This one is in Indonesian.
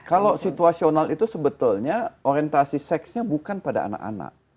kalau situasional itu sebetulnya orientasi seksnya bukan pada anak anak